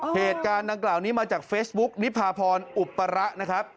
เหตุการณ์ดังกล่าวนี้มาจากเฟซบุ๊กนิพาพรอุประนะครับ